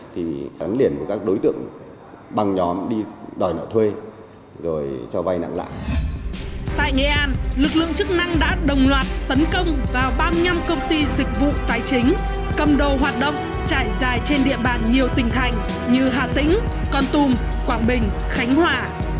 tấn công vào ba mươi năm công ty dịch vụ tài chính cầm đồ hoạt động trải dài trên địa bàn nhiều tỉnh thành như hà tĩnh con tùm quảng bình khánh hòa